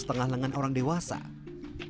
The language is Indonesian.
setelah disini pandan akan berubah menjadi kaki